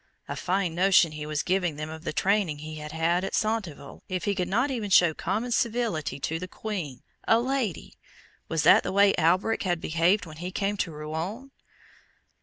A fine notion he was giving them of the training he had at Centeville, if he could not even show common civility to the Queen a lady! Was that the way Alberic had behaved when he came to Rouen?"